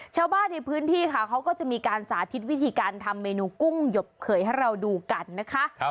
ชาวบ้านในพื้นที่ค่ะเขาก็จะมีการสาธิตวิธีการทำเมนูกุ้งหยบเขยให้เราดูกันนะคะ